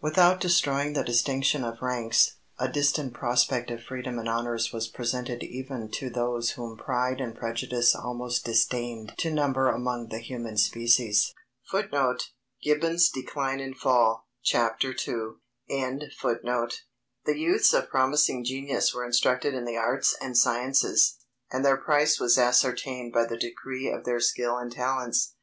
Without destroying the distinction of ranks, a distant prospect of freedom and honors was presented even to those whom pride and prejudice almost disdained to number among the human species. The youths of promising genius were instructed in the arts and sciences, and their price was ascertained by the degree of their skill and talents.